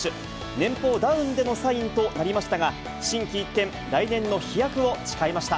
年俸ダウンでのサインとなりましたが、心機一転、来年の飛躍を誓いました。